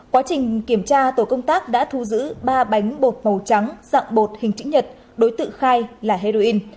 quá trình kiểm tra tổ công tác đã thu giữ ba bánh bột màu trắng dạng bột hình chữ nhật đối tượng khai là heroin